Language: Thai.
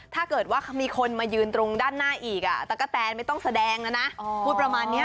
ถ้าเกิดว่ามีคนมายืนตรงด้านหน้าอีกตะกะแตนไม่ต้องแสดงแล้วนะพูดประมาณนี้